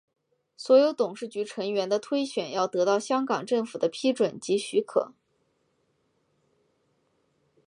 所有董事局成员的推选要得到香港政府的批准及许可。